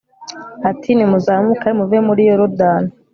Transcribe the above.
ati nimuzamuke muve muri yorudani